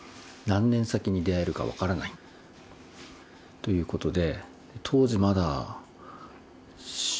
ということで。